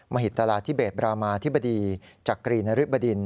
หิตราธิเบศบรามาธิบดีจักรีนริบดิน